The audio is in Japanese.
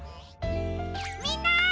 みんな！